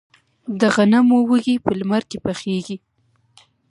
د غنمو وږي په لمر کې پخیږي.